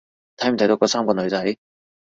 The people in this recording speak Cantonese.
睇唔睇到嗰三個女仔？